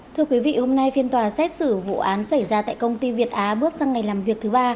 thưa quý vị hôm nay phiên tòa xét xử vụ án xảy ra tại công ty việt á bước sang ngày làm việc thứ ba